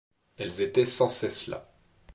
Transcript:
Elles étaient sans cesse là.